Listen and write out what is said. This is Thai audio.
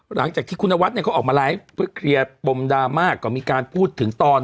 หลังจากที่คุณนวัดเนี่ยเขาออกมาไลฟ์เพื่อเคลียร์ปมดราม่าก็มีการพูดถึงตอน